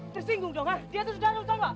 disinggung dong ha dia tuh sudah nutang lo